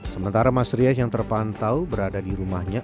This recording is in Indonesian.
sementara mas riah yang terpantau berada di rumahnya